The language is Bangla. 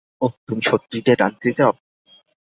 ওহ, তুমি সত্যিটা জানতে চাও?